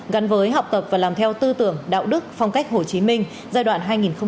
gắn với học tập và làm theo tư tưởng đạo đức phong cách hồ chí minh giai đoạn hai nghìn một mươi bốn hai nghìn một mươi chín